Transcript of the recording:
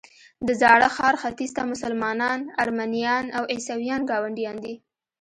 د زاړه ښار ختیځ ته مسلمانان، ارمنیان او عیسویان ګاونډیان دي.